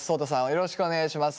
よろしくお願いします。